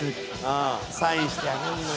サインしてあげんのよ。